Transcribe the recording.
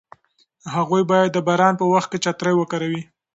هغوی باید د باران په وخت کې چترۍ وکاروي.